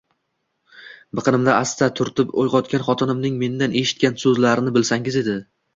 Biqinimdan asta turtib uyg'otgan xotinimning mendan eshitgan so'zlarini bilsangiz edi